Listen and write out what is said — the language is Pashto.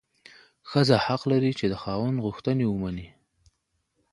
ښځه حق لري چې د خاوند غوښتنې ومني.